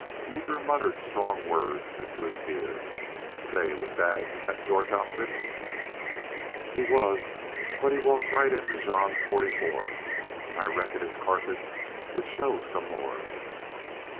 Meeker muttered strong words into his beard. "Say, was Daggs in thet Jorth outfit?" "He WAS. But he walked right into Jean's forty four.... An' I reckon his carcass would show some more."